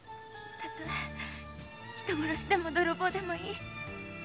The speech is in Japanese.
人殺しでも泥棒でもいい。